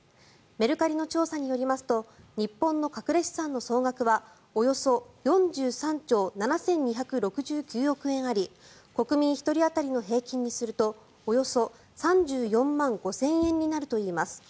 メルカリの調査によりますと日本の隠れ資産の総額はおよそ４３兆７２６９億円あり国民１人当たりの平均にするとおよそ３４万５０００円になるといいます。